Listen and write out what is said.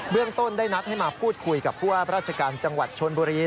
เรื่องต้นได้นัดให้มาพูดคุยกับผู้ว่าราชการจังหวัดชนบุรี